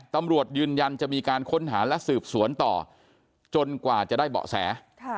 ตำรวจยืนยันจะมีการค้นหาและสืบสวนต่อจนกว่าจะได้เบาะแส